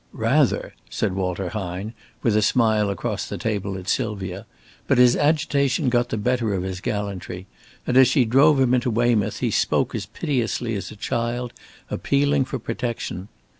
"Rather," said Walter Hine, with a smile across the table at Sylvia; but his agitation got the better of his gallantry, and as she drove him into Weymouth, he spoke as piteously as a child appealing for protection.